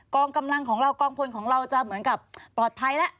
กำลังของเรากองพลของเราจะเหมือนกับปลอดภัยแล้ว